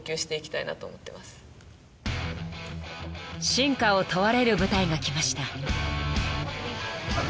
［真価を問われる舞台がきました］